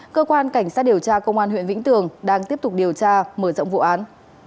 cơ quan cảnh sát điều tra công an huyện vĩnh tường đang tiếp tục điều tra mở rộng vụ án